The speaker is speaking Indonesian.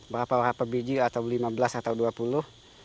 berapa biji atau lima belas atau dua puluh